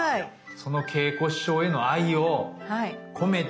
その桂子師匠への愛を込めて